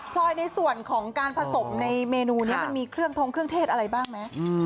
พลอยในส่วนของการผสมในเมนูนี้มันมีเครื่องทงเครื่องเทศอะไรบ้างไหม